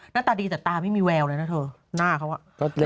หน้าตาดีแต่ตาไม่มีแววเลยนะเธอหน้าเขาอ่ะ